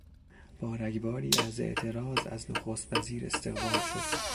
با رگباری از اعتراض از نخستوزیر استقبال شد.